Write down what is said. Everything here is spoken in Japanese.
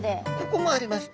ここもあります。